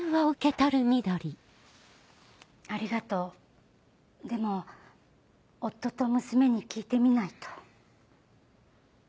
ありがとうでも夫と娘に聞いてみないと。